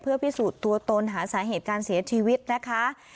เพื่อพิสูจน์ตัวตนหาสาเหตุการเสียชีวิตนะคะ